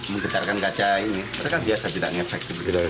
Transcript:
menggetarkan kaca ini mereka biasa tidak ngefek